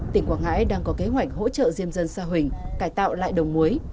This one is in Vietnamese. tỉnh quảng ngãi đang có kế hoạch hỗ trợ diêm dân sa huỳnh cải tạo lại đồng muối